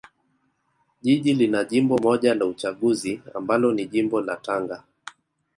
Jiji lina jimbo moja la uchaguzi ambalo ni jimbo la Tanga